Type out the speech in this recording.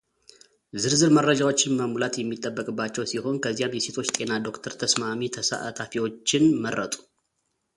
ዝርዝር መረጃዎችን መሙላት የሚጠበቅባቸው ሲሆን ከዚያም የሴቶች ጤና ዶክተር ተስማሚ ተሳታፊዎችን መረጡ።